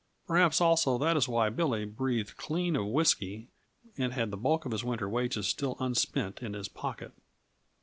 Perhaps, also, that is why Billy breathed clean of whisky and had the bulk of his winter wages still unspent in his pocket.